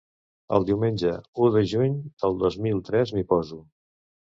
El diumenge u de juny de dos mil tres m'hi poso.